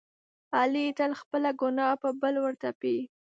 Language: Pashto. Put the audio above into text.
علي تل خپله ګناه په بل ورتپي.